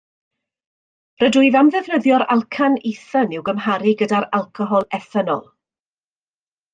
Rydwyf am ddefnyddio'r alcan ethan i'w gymharu gyda'r alcohol ethanol